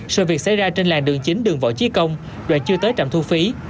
sự việc xảy ra trên làng đường chính đường võ trí công đoạn chưa tới trạm thu phí